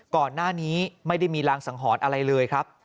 ก่อนหน้านี้ไม่ได้มีรางสังหรณ์อะไรเลยครับ